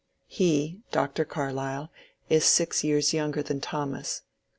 He, Dr. Carlyle, is six years younger than Thomas.